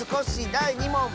だい２もん！